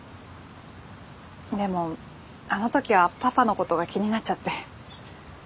でもあの時はパパのことが気になっちゃって。